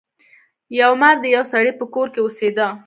یو مار د یو سړي په کور کې اوسیده.